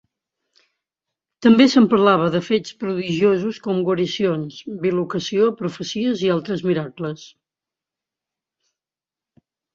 També se'n parlava de fets prodigiosos com guaricions, bilocació, profecies i altres miracles.